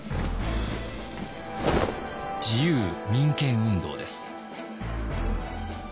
自由民権運動です。